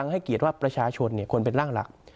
หรือประชาชนเนี่ยควรเป็นร่างหลัก